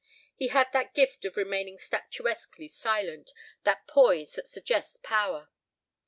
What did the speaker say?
He had that gift of remaining statuesquely silent, that poise that suggests power.